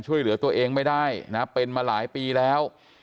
ช่วยเหลือตัวเองไม่ได้นะเป็นมาหลายปีแล้ว